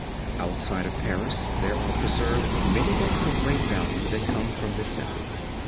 Outside of Paris there are preserved many books of great value that come from this century.